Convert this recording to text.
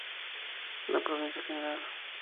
La provincia Gral.